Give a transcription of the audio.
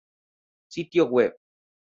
Sitio Web